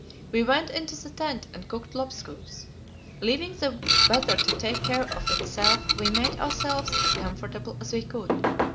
We went into the tent and cooked lobscouse. Leaving the weather to take care of itself, we made ourselves as comfortable as we could.